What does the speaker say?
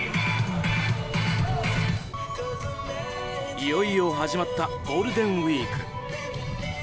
いよいよ始まったゴールデンウィーク。